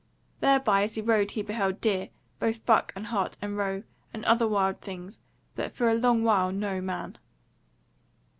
Thereby as he rode he beheld deer, both buck and hart and roe, and other wild things, but for a long while no man.